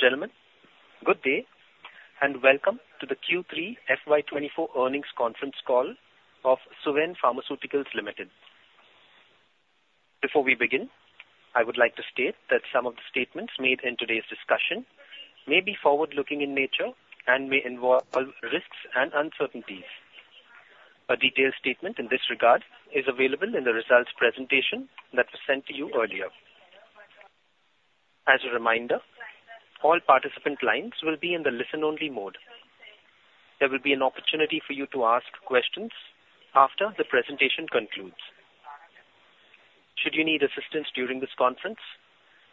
Good ladies and gentlemen. Good day, and welcome to the Q3 FY 2024 earnings conference call of Suven Pharmaceuticals Limited. Before we begin, I would like to state that some of the statements made in today's discussion may be forward-looking in nature and may involve risks and uncertainties. A detailed statement in this regard is available in the results presentation that was sent to you earlier. As a reminder, all participant lines will be in the listen-only mode. There will be an opportunity for you to ask questions after the presentation concludes. Should you need assistance during this conference,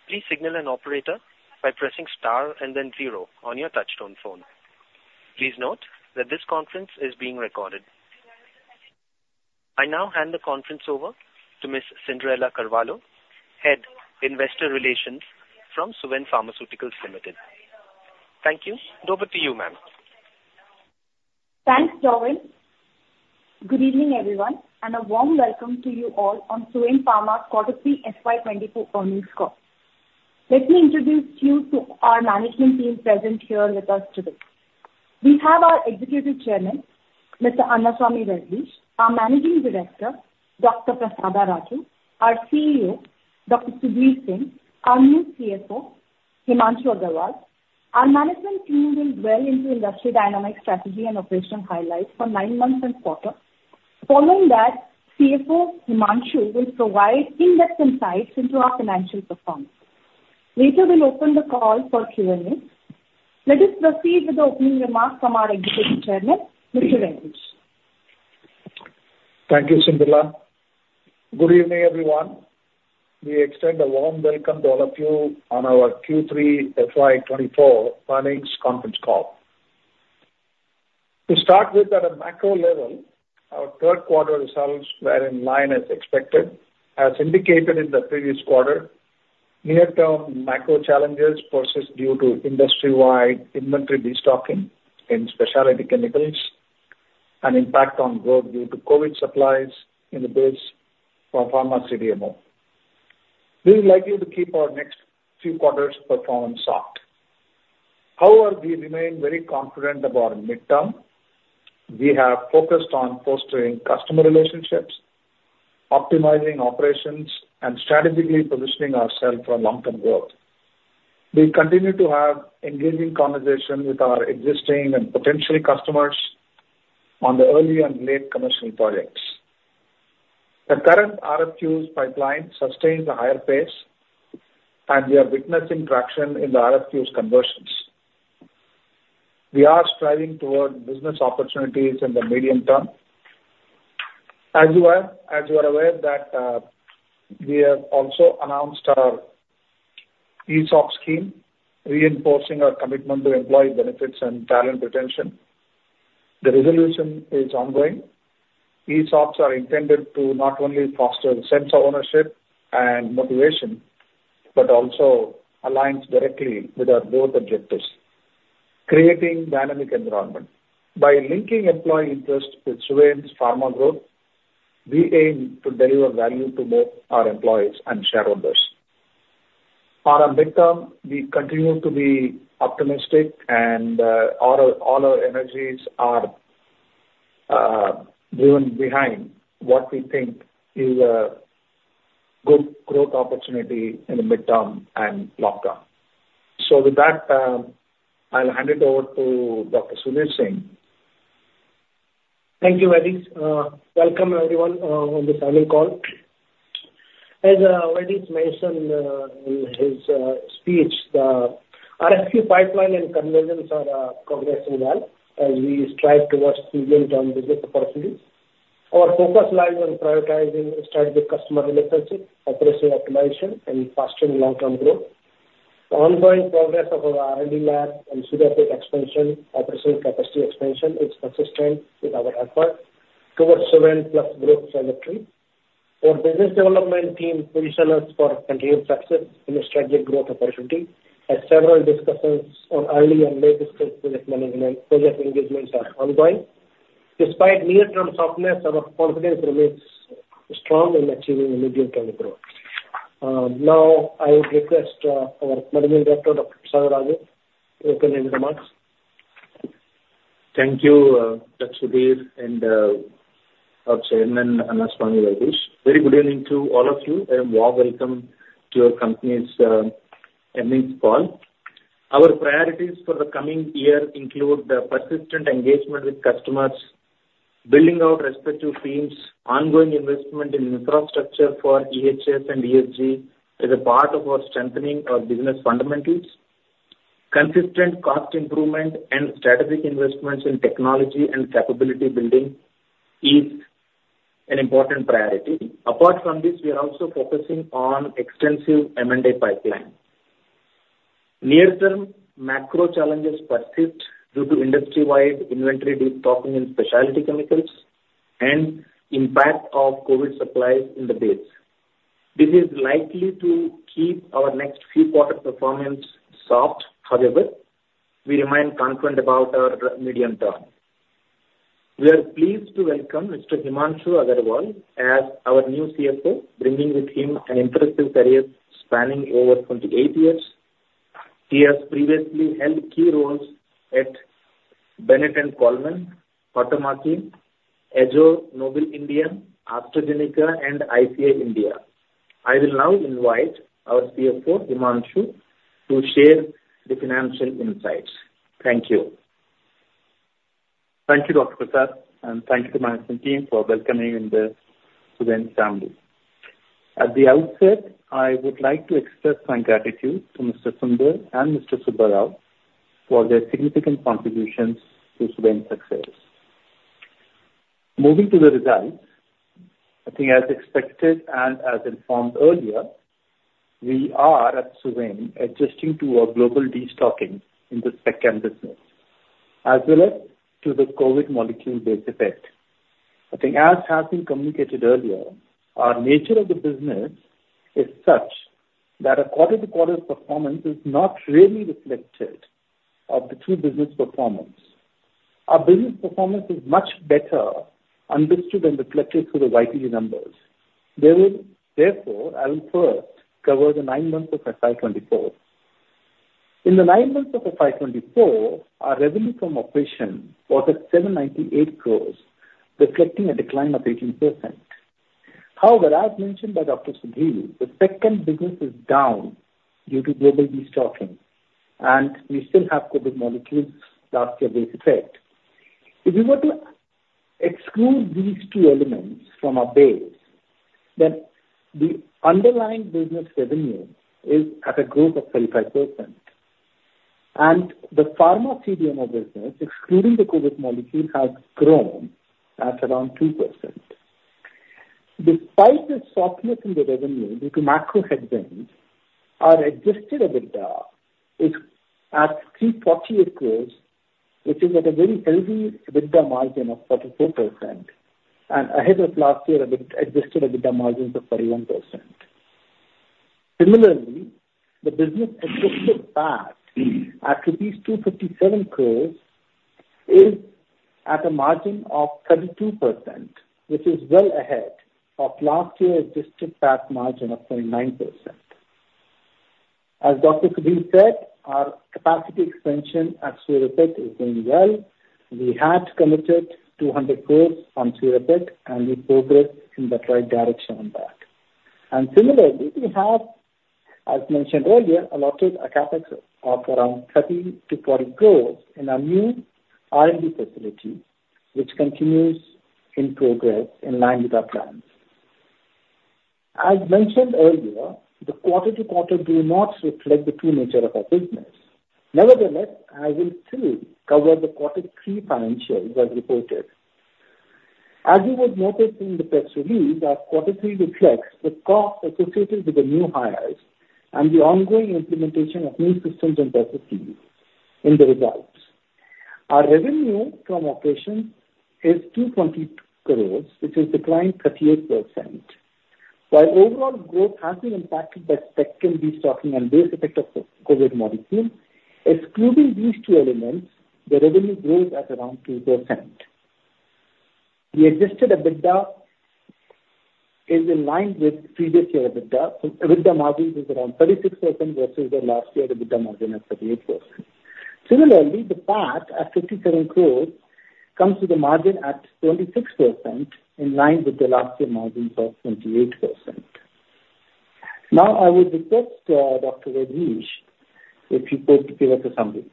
please signal an operator by pressing Star and then zero on your touchtone phone. Please note that this conference is being recorded. I now hand the conference over to Ms. Cyndrella Carvalho, Head, Investor Relations from Suven Pharmaceuticals Limited. Thank you. Over to you, ma'am. Thanks, Joel. Good evening, everyone, and a warm welcome to you all on Suven Pharma's quarterly FY 2024 earnings call. Let me introduce you to our management team present here with us today. We have our Executive Chairman, Mr. Annaswamy Vaidheesh, our Managing Director, Dr. V. Prasada Raju, our CEO, Dr. Sudhir Kumar Singh, our new CFO, Himanshu Agarwal. Our management team will delve into industry dynamics, strategy, and operational highlights for 9 months and quarter. Following that, CFO Himanshu will provide in-depth insights into our financial performance. Later, we'll open the call for Q&A. Let us proceed with the opening remarks from our Executive Chairman, Mr. Vaidheesh. Thank you, Cinderella. Good evening, everyone. We extend a warm welcome to all of you on our Q3 FY 2024 earnings conference call. To start with, at a macro level, our third quarter results were in line as expected. As indicated in the previous quarter, near-term macro challenges persist due to industry-wide inventory destocking in specialty chemicals and impact on growth due to COVID supplies in the base for Pharma CDMO. This is likely to keep our next few quarters' performance soft. However, we remain very confident about mid-term. We have focused on fostering customer relationships, optimizing operations, and strategically positioning ourselves for long-term growth. We continue to have engaging conversations with our existing and potential customers on the early and late commercial projects. The current RFQs pipeline sustains a higher pace, and we are witnessing traction in the RFQs conversions. We are striving toward business opportunities in the medium term. As you are aware that, we have also announced our ESOP scheme, reinforcing our commitment to employee benefits and talent retention. The resolution is ongoing. ESOPs are intended to not only foster a sense of ownership and motivation, but also aligns directly with our growth objectives, creating dynamic environment. By linking employee interest with Suven's pharma growth, we aim to deliver value to both our employees and shareholders. For our midterm, we continue to be optimistic, and all our energies are driven behind what we think is a good growth opportunity in the midterm and long term. So with that, I'll hand it over to Dr. Sudhir Kumar Singh. Thank you, Vaidheesh. Welcome everyone on this earnings call. As Vaidheesh mentioned in his speech, the RFQ pipeline and conversions are progressing well, as we strive towards medium-term business opportunities. Our focus lies on prioritizing strategic customer relationships, operational optimization, and fostering long-term growth. The ongoing progress of our R&D lab and Suryapet expansion, operational capacity expansion, is consistent with our effort towards Suven plus growth trajectory. Our business development team position us for continued success in the strategic growth opportunity, as several discussions on early and late-stage project engagements are ongoing. Despite near-term softness, our confidence remains strong in achieving medium-term growth. Now, I request our Managing Director, Dr. Prasada Raju, to open any remarks. Thank you, Dr. Sudhir, and our Chairman, Annaswamy Vaidheesh. Very good evening to all of you, and warm welcome to our company's earnings call. Our priorities for the coming year include the persistent engagement with customers, building out respective teams, ongoing investment in infrastructure for EHS and ESG as a part of our strengthening our business fundamentals. Consistent cost improvement and strategic investments in technology and capability building is an important priority. Apart from this, we are also focusing on extensive M&A pipeline. Near-term macro challenges persist due to industry-wide inventory destocking in specialty chemicals and impact of COVID supplies in the base. This is likely to keep our next few quarter performance soft. However, we remain confident about our medium term.... We are pleased to welcome Mr. Himanshu Agarwal as our new CFO, bringing with him an impressive career spanning over 28 years. He has previously held key roles at Bennett and Coleman, Tata Motors, AkzoNobel India, AstraZeneca, and ICI India. I will now invite our CFO, Himanshu, to share the financial insights. Thank you. Thank you, Dr. Prasada, and thank you to my team for welcoming me in the Suven family. At the outset, I would like to express my gratitude to Mr. Sundir and Mr. Subba Rao for their significant contributions to Suven's success. Moving to the results, I think as expected and as informed earlier, we are at Suven adjusting to a global destocking in the second business, as well as to the COVID molecule-based effect. I think as has been communicated earlier, our nature of the business is such that a quarter-to-quarter performance is not really reflected of the two business performance. Our business performance is much better understood and reflected through the YTD numbers. Therefore, I will first cover the nine months of FY 2024. In the nine months of FY 2024, our revenue from operation was at 798 crore, reflecting a decline of 18%. However, as mentioned by Dr. Sudhir, the second business is down due to global destocking, and we still have COVID molecules last year base effect. If you were to exclude these two elements from our base, then the underlying business revenue is at a growth of 35%, and the pharma CDMO business, excluding the COVID molecule, has grown at around 2%. Despite the softness in the revenue due to macro headwinds, our adjusted EBITDA is at 348 crore, which is at a very healthy EBITDA margin of 44% and ahead of last year EBITDA, adjusted EBITDA margins of 31%. Similarly, the business adjusted PAT at rupees 257 crore is at a margin of 32%, which is well ahead of last year adjusted PAT margin of 29%. As Dr. Sudhir said, our capacity expansion at Suryapet is going well. We had committed 200 crore on Suryapet, and we progress in the right direction on that. And similarly, we have, as mentioned earlier, allotted a CapEx of around 30-40 crore in our new R&D facility, which continues in progress in line with our plans. I mentioned earlier, the quarter-to-quarter do not reflect the true nature of our business. Nevertheless, I will still cover the quarter three financials as reported. As you would notice in the press release, our quarter three reflects the cost associated with the new hires and the ongoing implementation of new systems and processes in the results. Our revenue from operations is 222 crore, which is declined 38%. While overall growth has been impacted by second destocking and base effect of COVID molecule, excluding these two elements, the revenue grows at around 2%. The adjusted EBITDA is in line with previous year EBITDA. EBITDA margin is around 36% versus the last year EBITDA margin of 38%. Similarly, the PAT at 57 crore rupees comes with a margin at 26%, in line with the last year margin of 28%. Now, I will request, Dr. Vaidheesh, if you could give us a summary.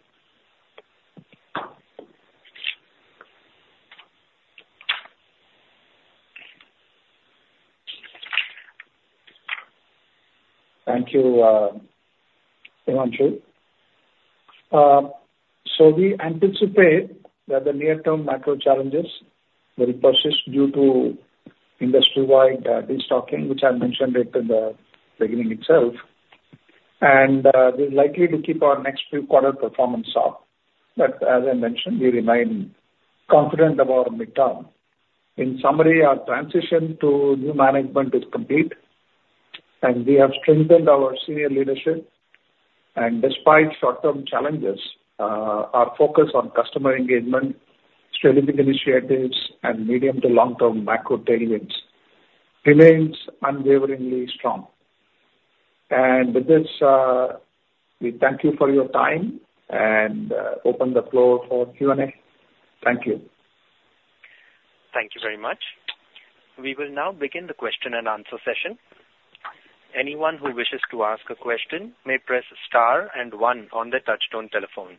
Thank you, Himanshu. So we anticipate that the near-term macro challenges will persist due to industry-wide destocking, which I mentioned it in the beginning itself, and this is likely to keep our next few quarter performance up. But as I mentioned, we remain confident about midterm. In summary, our transition to new management is complete, and we have strengthened our senior leadership. And despite short-term challenges, our focus on customer engagement, strategic initiatives, and medium to long-term macro tailwinds remains unwaveringly strong. And with this, we thank you for your time and open the floor for Q&A. Thank you. Thank you very much. We will now begin the question and answer session. Anyone who wishes to ask a question may press star and one on their touchtone telephone.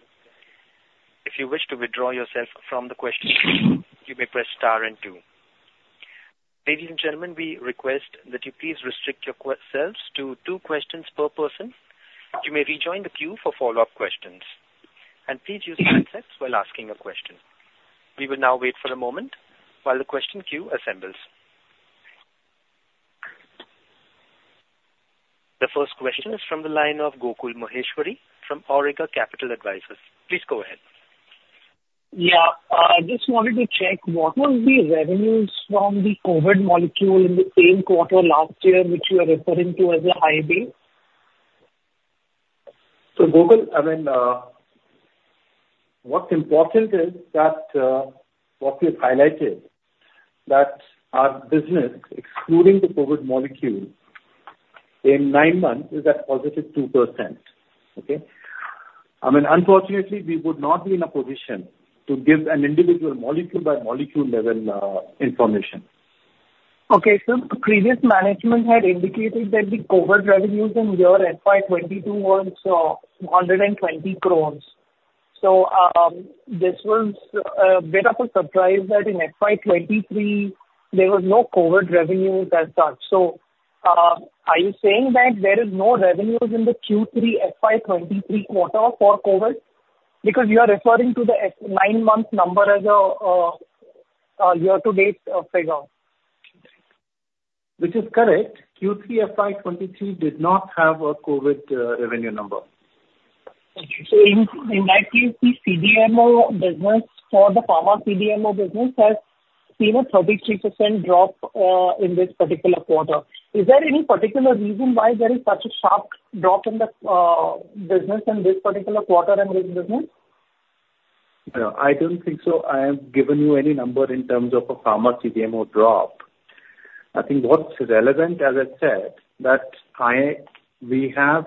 If you wish to withdraw yourself from the question, you may press star and two. Ladies and gentlemen, we request that you please restrict yourselves to two questions per person. You may rejoin the queue for follow-up questions. Please use headsets while asking a question. We will now wait for a moment while the question queue assembles. The first question is from the line of Gokul Maheshwari from Awriga Capital Advisors. Please go ahead. Yeah. I just wanted to check, what was the revenues from the COVID molecule in the same quarter last year, which you are referring to as a high base?... So, Gokul, I mean, what's important is that what we've highlighted, that our business, excluding the COVID molecule, in nine months, is at positive 2%. Okay? I mean, unfortunately, we would not be in a position to give an individual molecule-by-molecule level information. Okay, sir, the previous management had indicated that the COVID revenues in year FY 2022 was INR 120 crore. So, this was bit of a surprise that in FY 2023, there was no COVID revenue as such. So, are you saying that there is no revenues in the Q3 FY 2023 quarter for COVID? Because you are referring to the 9-month number as a year-to-date figure. Which is correct. Q3 FY 23 did not have a COVID revenue number. Thank you. So in that case, the CDMO business or the pharma CDMO business has seen a 33% drop in this particular quarter. Is there any particular reason why there is such a sharp drop in the business in this particular quarter and in business? No, I don't think so. I have given you any number in terms of a pharma CDMO drop. I think what's relevant, as I said, that we have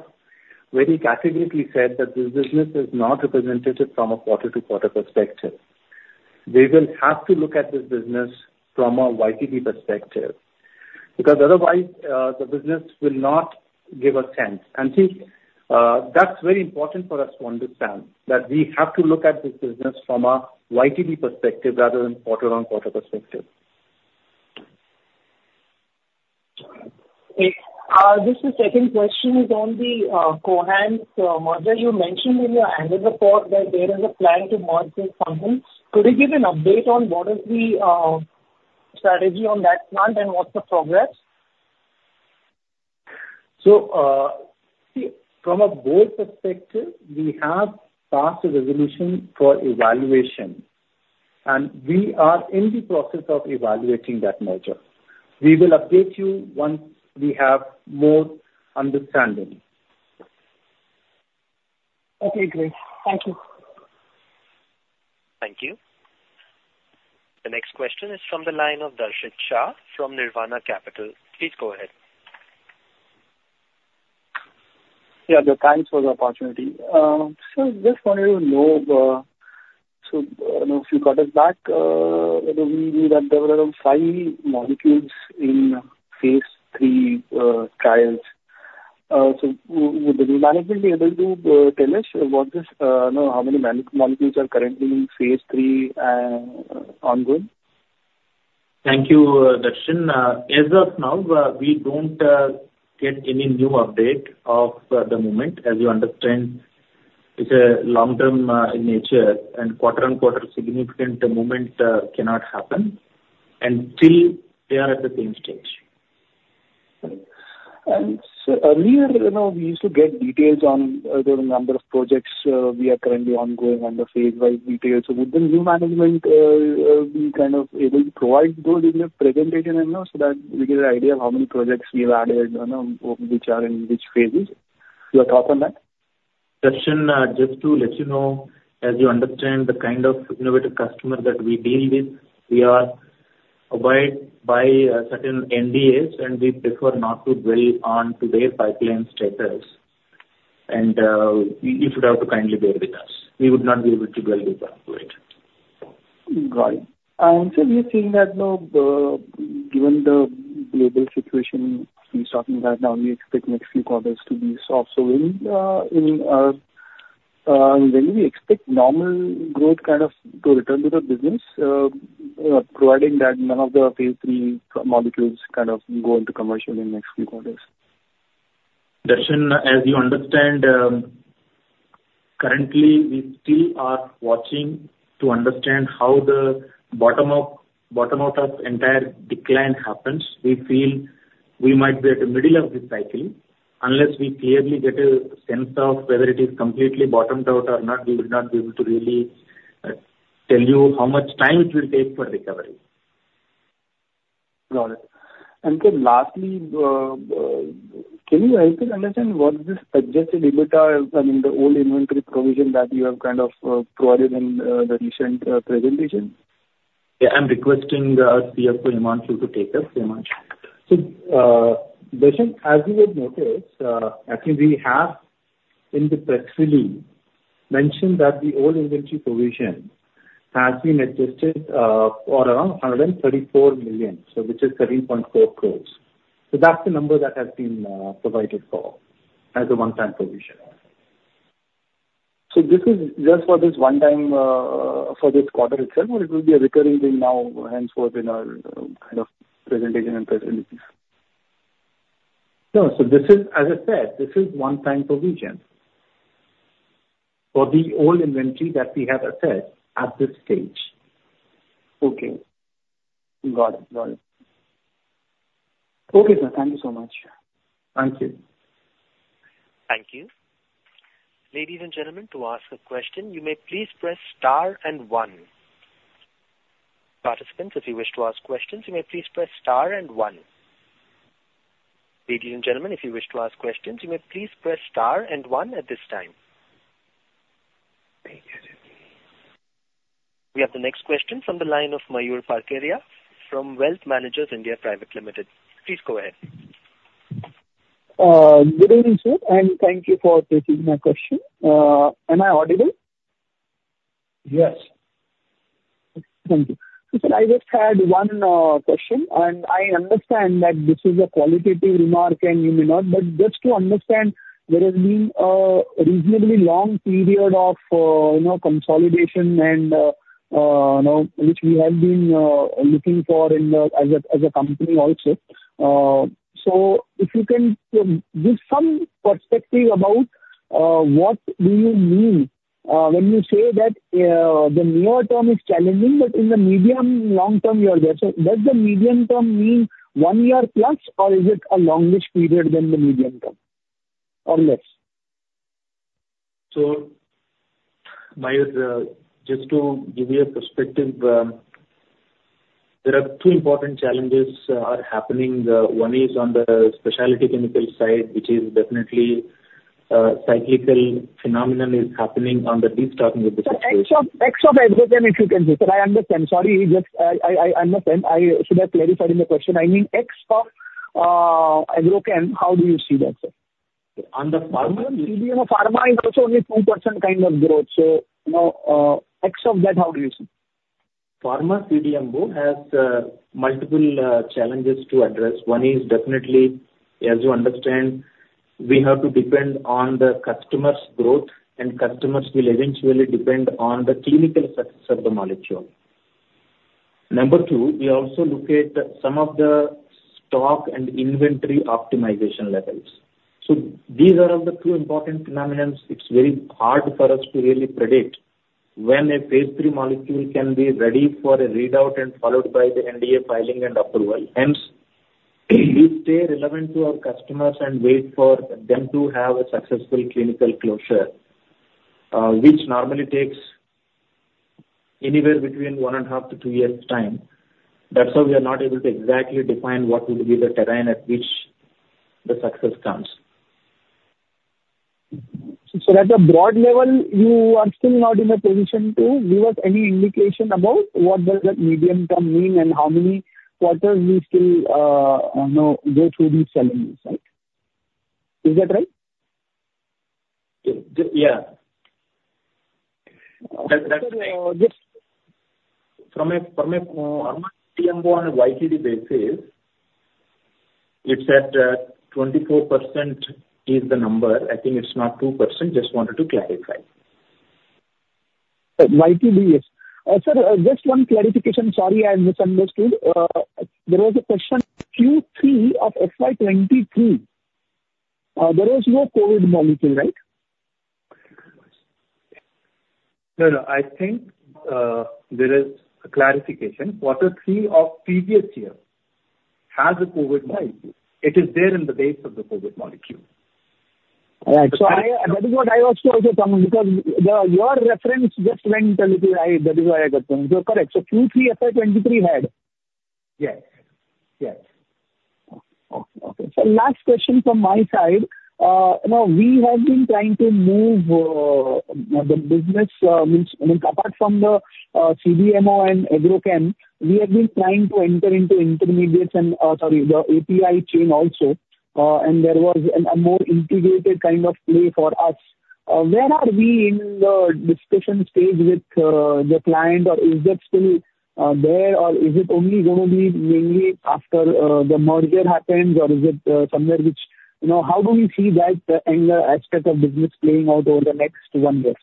very categorically said that this business is not representative from a quarter-to-quarter perspective. We will have to look at this business from a YTD perspective, because otherwise, the business will not give a sense. And see, that's very important for us to understand, that we have to look at this business from a YTD perspective rather than quarter-on-quarter perspective. Just the second question is on the Cohance model you mentioned in your annual report that there is a plan to merge this company. Could you give an update on what is the strategy on that plan and what's the progress? So, see, from a board perspective, we have passed a resolution for evaluation, and we are in the process of evaluating that merger. We will update you once we have more understanding. Okay, great. Thank you. Thank you. The next question is from the line of Darshit Shah from Nirvana Capital. Please go ahead. Yeah. Good. Thanks for the opportunity. So just wanted to know, so, you know, if you got us back, whether we, that there were around five molecules in phase III trials. So would the management be able to tell us what this, you know, how many molecules are currently in phase III ongoing? Thank you, Darshit. As of now, we don't get any new update at the moment. As you understand, it's a long-term in nature, and quarter-over-quarter significant movement cannot happen, and till they are at the same stage. And so earlier, you know, we used to get details on the number of projects we are currently ongoing under phase-wise details. So with the new management, we kind of able to provide those in your presentation and know, so that we get an idea of how many projects we have added, you know, which are in which phases. Your thought on that? Darshit, just to let you know, as you understand the kind of innovative customer that we deal with, we abide by certain NDAs, and we prefer not to dwell on to their pipeline status. And, you should kindly bear with us. We would not be able to dwell into that, right. Right. And so we are seeing that, you know, given the global situation we're talking right now, we expect next few quarters to be soft. So, when we expect normal growth kind of to return to the business, providing that none of the phase III molecules kind of go into commercial in the next few quarters. Darshit, as you understand, currently, we still are watching to understand how the bottom out of entire decline happens. We feel we might be at the middle of this cycle. Unless we clearly get a sense of whether it is completely bottomed out or not, we will not be able to really tell you how much time it will take for recovery. Got it. And then lastly, can you help us understand what this adjusted EBITDA, I mean, the old inventory provision that you have kind of provided in the recent presentation? Yeah, I'm requesting, CFO Himanshu, to take this. Himanshu. Darshit, as you would notice, actually, we have, in the press release, mentioned that the old inventory provision has been adjusted, for around 134 million, so which is 13.4 crores. So that's the number that has been, provided for as a one-time provision. This is just for this one time, for this quarter itself, or it will be a recurring thing now henceforth in our, kind of presentation and presentations? No. So this is, as I said, this is one-time provision for the old inventory that we have assessed at this stage. Okay. Got it. Got it. Okay, sir, thank you so much. Thank you. Thank you. Ladies and gentlemen, to ask a question, you may please press star and one. Participants, if you wish to ask questions, you may please press star and one. Ladies and gentlemen, if you wish to ask questions, you may please press star and one at this time. We have the next question from the line of Mayur Parkeria, from Wealth Managers (India) Private Limited. Please go ahead. Good evening, sir, and thank you for taking my question. Am I audible? Yes. Thank you. So I just had one question, and I understand that this is a qualitative remark, and you may not, but just to understand, there has been a reasonably long period of, you know, consolidation and, you know, which we have been looking for in the, as a company also. So if you can give some perspective about what do you mean when you say that the near term is challenging, but in the medium long term, you are there. So does the medium term mean one year plus, or is it a longest period than the medium term, or less? So Mayur, just to give you a perspective, there are two important challenges are happening. One is on the specialty chemical side, which is definitely, cyclical phenomenon is happening on the starting with the- CapEx of agrochemicals, if you can say. Sir, I understand. Sorry, I understand. I should have clarified in the question. I mean, CapEx of agrochemicals, how do you see that, sir? On the pharma- CDMO pharma is also only 2% kind of growth, so, you know, X of that, how do you see? Pharma CDMO has multiple challenges to address. One is definitely, as you understand, we have to depend on the customers' growth, and customers will eventually depend on the clinical success of the molecule. Number 2, we also look at some of the stock and inventory optimization levels. So these are the two important phenomena. It's very hard for us to really predict when a phase 3 molecule can be ready for a readout and followed by the NDA filing and approval. Hence, we stay relevant to our customers and wait for them to have a successful clinical closure, which normally takes anywhere between 1.5-2 years' time. That's why we are not able to exactly define what will be the terrain at which the success comes. At a broad level, you are still not in a position to give us any indication about what does that medium-term mean and how many quarters we still, you know, go through these challenges, right? Is that right? Yeah. That, that's- Uh, just- From a CDMO on a YTD basis, it's at 24%, is the number. I think it's not 2%. Just wanted to clarify. YTD, yes. Sir, just one clarification. Sorry, I misunderstood. There was a question, Q3 of FY 2023, there was no COVID molecule, right? No, no, I think, there is a clarification. Q3 of previous year has a COVID molecule. It is there in the base of the COVID molecule. Right. So I, that is what I also coming, because your reference just went a little bit high. That is why I got confused. You are correct. So Q3, FY 2023 had? Yes. Yes. Okay. So last question from my side. Now, we have been trying to move the business, which, I mean, apart from the CDMO and agrochemicals, we have been trying to enter into intermediates and, sorry, the API chain also, and there was a more integrated kind of play for us. Where are we in the discussion stage with the client, or is that still there, or is it only gonna be mainly after the merger happens, or is it somewhere which... You know, how do we see that in the aspect of business playing out over the next one year?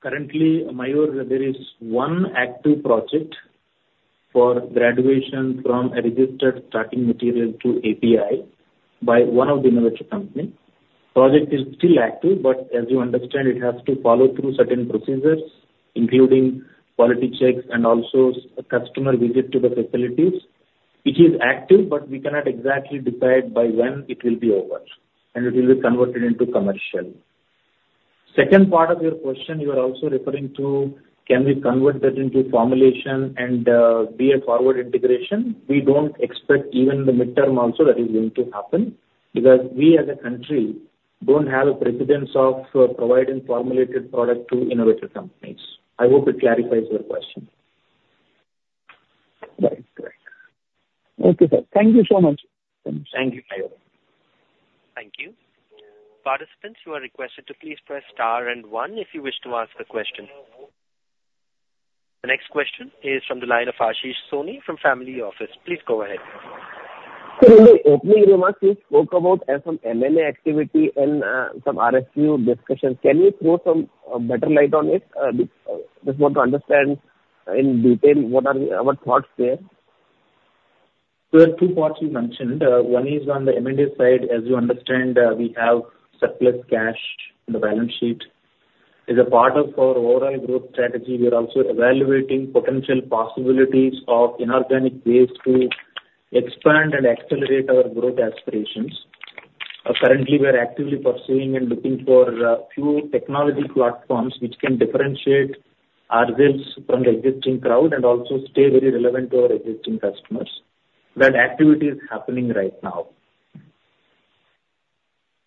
Currently, Mayur, there is one active project for graduation from a registered starting material to API by one of the innovator company. The project is still active, but as you understand, it has to follow through certain procedures, including quality checks and also a customer visit to the facilities. It is active, but we cannot exactly decide by when it will be over, and it will be converted into commercial. Second part of your question, you are also referring to: Can we convert that into formulation and be a forward integration? We don't expect even in the midterm also that is going to happen, because we as a country don't have a precedent of providing formulated product to innovative companies. I hope it clarifies your question. Right. Right. Okay, sir. Thank you so much. Thank you, Mayur. Thank you. Participants, you are requested to please press star and one if you wish to ask a question. The next question is from the line of Ashish Soni from Family Office. Please go ahead. Sir, in the opening remarks, you spoke about some M&A activity and some RSU discussions. Can you throw some better light on it? Just want to understand in detail what are your, our thoughts there? There are two parts you mentioned. One is on the M&A side. As you understand, we have surplus cash in the balance sheet. As a part of our overall growth strategy, we are also evaluating potential possibilities of inorganic ways to expand and accelerate our growth aspirations. Currently we are actively pursuing and looking for few technology platforms which can differentiate our sales from the existing crowd and also stay very relevant to our existing customers. That activity is happening right now.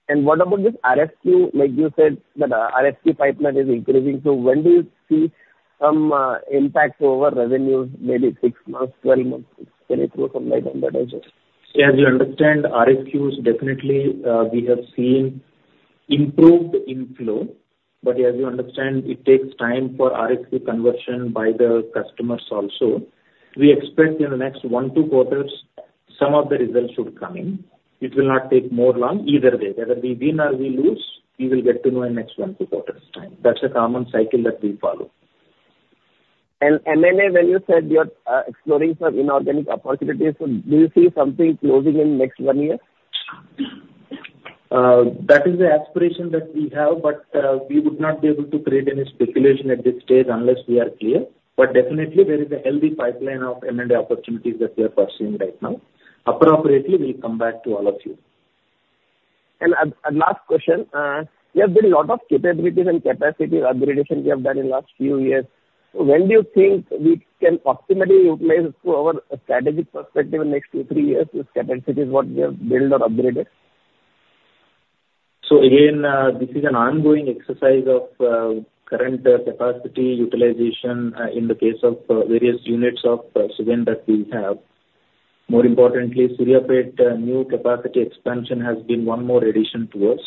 And what about this RFQ? Like you said, that our RFQ pipeline is increasing, so when do you see some impact over revenues, maybe 6 months, 12 months, can it grow from like on that just? Yeah, as you understand, RFQs definitely, we have seen improved inflow, but as you understand, it takes time for RFQ conversion by the customers also. We expect in the next 1-2 quarters, some of the results should come in. It will not take more long either way. Whether we win or we lose, we will get to know in next 1-2 quarters. That's a common cycle that we follow. M&A, when you said you are exploring for inorganic opportunities, so do you see something closing in next one year? That is the aspiration that we have, but we would not be able to create any speculation at this stage unless we are clear. But definitely there is a healthy pipeline of M&A opportunities that we are pursuing right now. Appropriately, we'll come back to all of you. A last question. You have done a lot of capabilities and capacity upgradation you have done in last few years. So when do you think we can optimally utilize to our strategic perspective in next 2, 3 years, this capacities what we have built or upgraded? So again, this is an ongoing exercise of current capacity utilization in the case of various units of Suven that we have. More importantly, Suryapet new capacity expansion has been one more addition to us.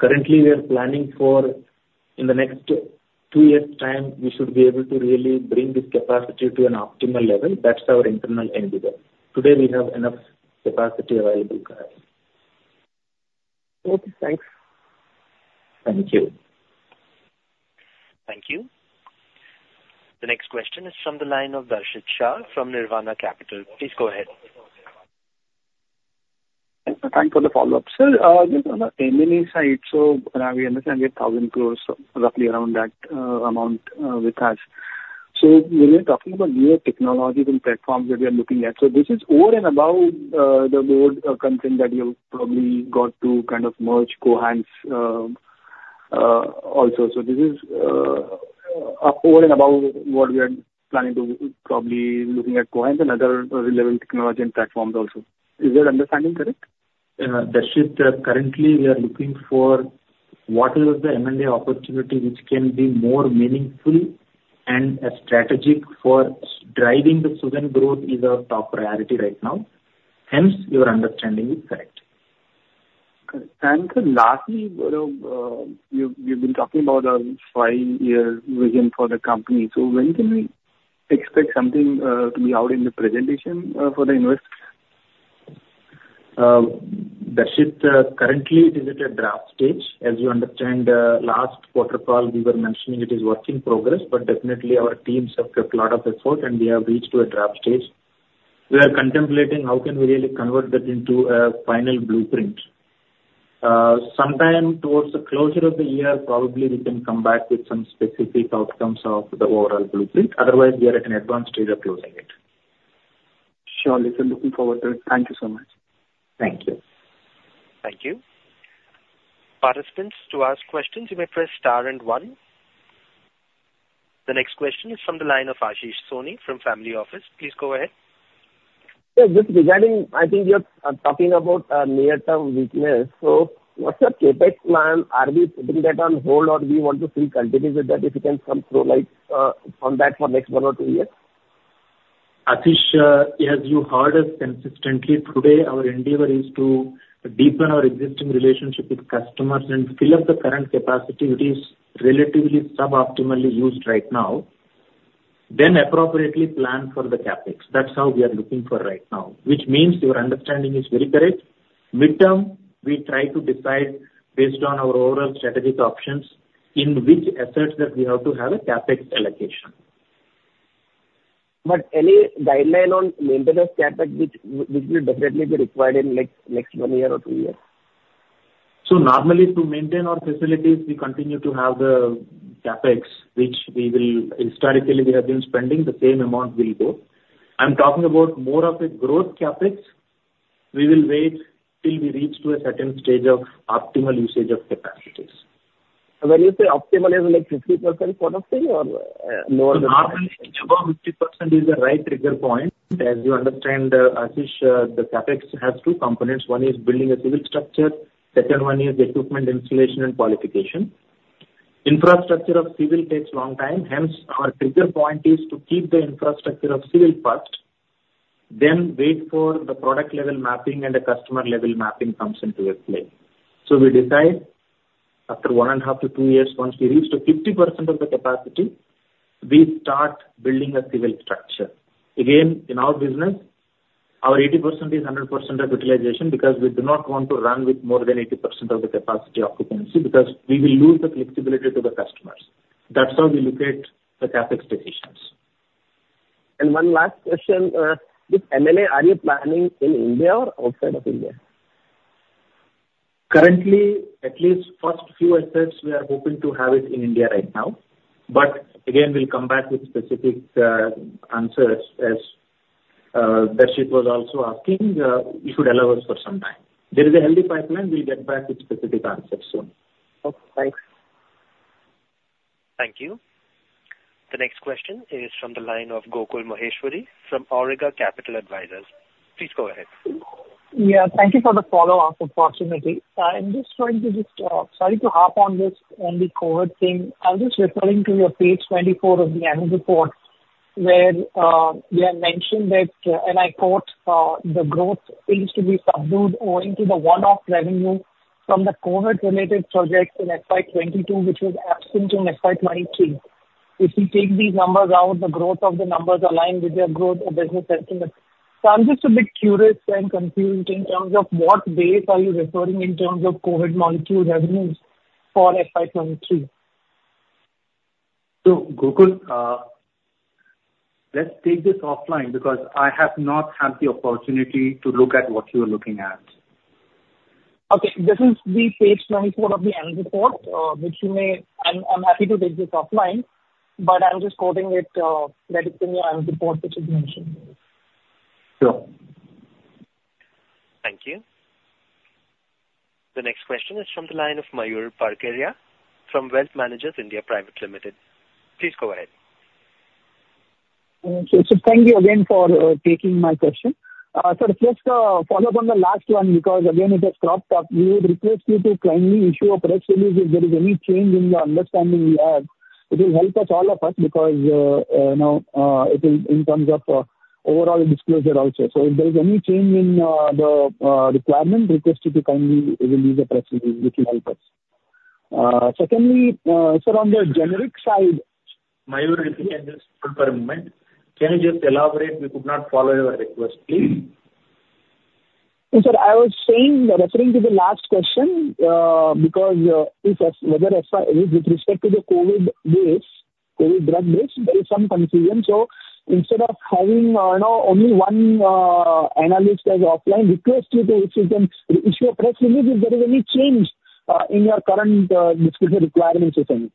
Currently, we are planning for in the next two years' time, we should be able to really bring this capacity to an optimal level. That's our internal endeavor. Today, we have enough capacity available for us. Okay, thanks. Thank you. Thank you. The next question is from the line of Darshit Shah from Nirvana Capital. Please go ahead. Thank you for the follow-up. So, on the M&A side, so now we understand we have 1,000 crore, roughly around that, amount, with us. So when you're talking about new technologies and platforms that we are looking at, so this is over and above, the board, content that you've probably got to kind of merge Cohance, also. So this is, over and above what we are planning to probably looking at Cohance and other relevant technology and platforms also. Is your understanding correct? Darshit, currently we are looking for what is the M&A opportunity which can be more meaningful and a strategic for driving the Suven growth is our top priority right now. Hence, your understanding is correct. Correct. And lastly, you've been talking about a five-year vision for the company. So when can we expect something to be out in the presentation for the investors? Darshit, currently it is at a draft stage. As you understand, last quarter call, we were mentioning it is work in progress, but definitely our teams have kept lot of effort, and we have reached to a draft stage. We are contemplating how can we really convert that into a final blueprint. Sometime towards the closure of the year, probably we can come back with some specific outcomes of the overall blueprint. Otherwise, we are at an advanced stage of closing it. Surely, so looking forward to it. Thank you so much. Thank you. Thank you. Participants, to ask questions, you may press star and one. The next question is from the line of Ashish Soni from Family Office. Please go ahead. Yeah, just regarding, I think you're talking about near-term weakness. So what's your CapEx plan? Are we putting that on hold, or do you want to still continue with that, if you can some throw light on that for next one or two years? Ashish, as you heard us consistently today, our endeavor is to deepen our existing relationship with customers and fill up the current capacity which is relatively sub-optimally used right now, then appropriately plan for the CapEx. That's how we are looking for right now, which means your understanding is very correct. Mid-term, we try to decide based on our overall strategic options, in which assets that we have to have a CapEx allocation. Any guideline on maintenance CapEx, which will definitely be required in next one year or two years? Normally, to maintain our facilities, we continue to have the CapEx, which we will... Historically, we have been spending. The same amount will go. I'm talking about more of a growth CapEx. We will wait till we reach to a certain stage of optimal usage of capacities. When you say optimal, is it like 50% kind of thing or, more than? So normally, above 50% is the right trigger point. As you understand, Ashish, the CapEx has two components. One is building a civil structure, second one is the equipment installation and qualification. Infrastructure of civil takes long time, hence, our trigger point is to keep the infrastructure of civil first, then wait for the product-level mapping and the customer-level mapping comes into play. So we decide after 1.5-2 years, once we reach to 50% of the capacity, we start building a civil structure. Again, in our business, our 80% is 100% of utilization, because we do not want to run with more than 80% of the capacity occupancy, because we will lose the flexibility to the customers. That's how we look at the CapEx decisions. One last question: with M&A, are you planning in India or outside of India? Currently, at least first few assets, we are hoping to have it in India right now. But again, we'll come back with specific answers. That she was also asking, you should allow us for some time. There is a healthy pipeline. We'll get back with specific answers soon. Okay, thanks. Thank you. The next question is from the line of Gokul Maheshwari from Awriga Capital Advisors. Please go ahead. Yeah, thank you for the follow-up, approximately. I'm just going to just, sorry to harp on this on the COVID thing. I'm just referring to your page 24 of the annual report, where, you have mentioned that, and I quote, "The growth is to be subdued owing to the one-off revenue from the COVID-related projects in FY 2022, which was absent in FY 2023. If we take these numbers out, the growth of the numbers align with their growth of business sentiment." So I'm just a bit curious and confused in terms of what base are you referring in terms of COVID molecule revenues for FY 2023? Gokul, let's take this offline because I have not had the opportunity to look at what you're looking at. Okay. This is page 24 of the annual report, which you may... I'm happy to take this offline, but I'm just quoting it, that is in your annual report, which is mentioned there. Sure. Thank you. The next question is from the line of Mayur Parkeria from Wealth Managers (India) Private Limited. Please go ahead. Okay. So thank you again for taking my question. Sir, just a follow-up on the last one because again it has cropped up. We would request you to kindly issue a press release if there is any change in the understanding we have. It will help us, all of us, because, you know, it will in terms of overall disclosure also. So if there is any change in the requirement, request you to kindly release a press release. It will help us. Secondly, sir, on the generic side- Mayur, if we can just hold for a moment. Can you just elaborate? We could not follow your request, please. Yes, sir. I was saying, referring to the last question, because, if as whether as far with respect to the COVID base, COVID drug base, there is some confusion. So instead of having, you know, only one analyst as offline, request you to if you can issue a press release if there is any change in your current disclosure requirements or something.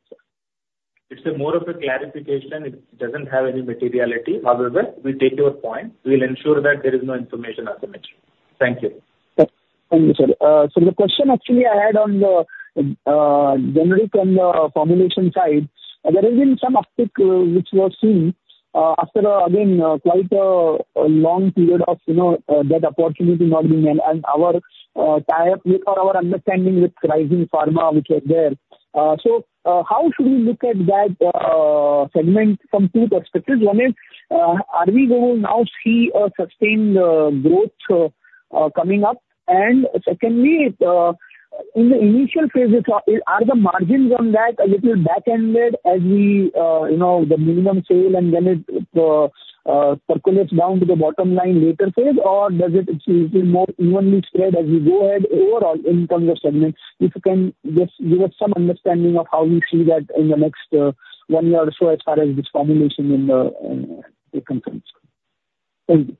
It's more of a clarification. It doesn't have any materiality. However, we take your point. We'll ensure that there is no information asymmetry. Thank you. Thank you, sir. So the question actually I had on the, generic and the formulation side, there has been some uptick, which was seen, after, again, quite a long period of, you know, that opportunity not being met and our, tie-up with or our understanding with Rising Pharma, which is there. So, how should we look at that, segment from two perspectives? One is, are we going to now see a sustained, growth, coming up? And secondly, in the initial phases, are the margins on that a little back-ended as we, you know, the minimum sale, and then it, percolates down to the bottom line later phase? Or does it achieve a more evenly spread as we go ahead overall in terms of segments? If you can just give us some understanding of how we see that in the next, one year or so, as far as this formulation in the, is concerned. Thank you.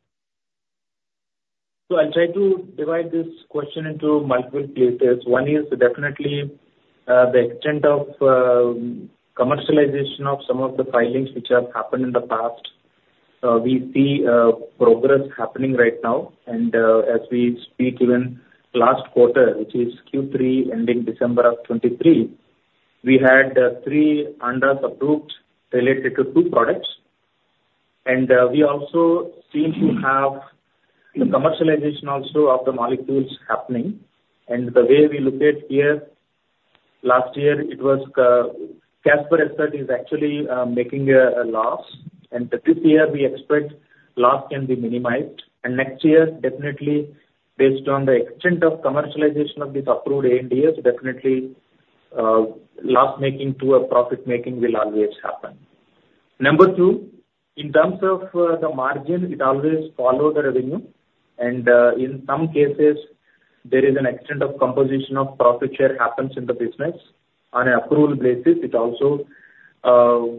So I'll try to divide this question into multiple pieces. One is definitely the extent of commercialization of some of the filings which have happened in the past. We see progress happening right now. And as we speak, even last quarter, which is Q3, ending December of 2023, we had 3 ANDAs approved related to 2 products. And we also seem to have the commercialization also of the molecules happening. And the way we look at here, last year, it was Casper Pharma actually making a loss, and this year we expect loss can be minimized. And next year, definitely based on the extent of commercialization of this approved ANDAs, definitely loss-making to a profit-making will always happen. Number two, in terms of the margin, it always follow the revenue, and in some cases there is an extent of composition of profit share happens in the business. On approval basis, it also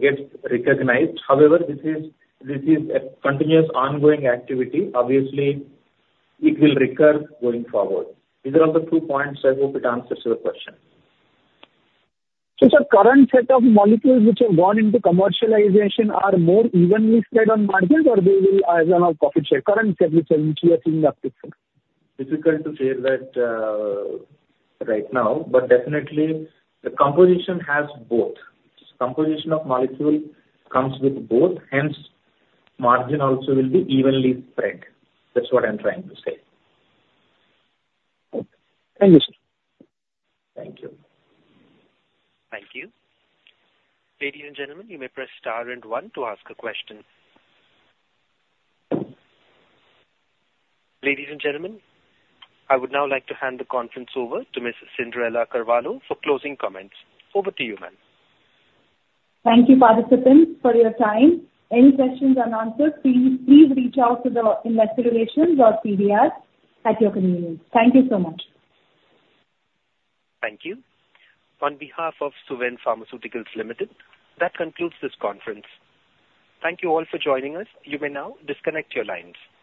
gets recognized. However, this is, this is a continuous ongoing activity. Obviously, it will recur going forward. These are the two points. I hope it answers your question. So, sir, current set of molecules which have gone into commercialization are more evenly spread on margins, or they will as a profit share, current set which we are seeing up to? Difficult to say that, right now, but definitely the composition has both. Composition of molecule comes with both, hence, margin also will be evenly spread. That's what I'm trying to say. Okay. Thank you, sir. Thank you. Thank you. Ladies and gentlemen, you may press star and one to ask a question. Ladies and gentlemen, I would now like to hand the conference over to Ms. Cyndrella Carvalho for closing comments. Over to you, ma'am. Thank you, participants, for your time. Any questions unanswered, please, please reach out to the investorrelations.pds at your convenience. Thank you so much. Thank you. On behalf of Suven Pharmaceuticals Limited, that concludes this conference. Thank you all for joining us. You may now disconnect your lines.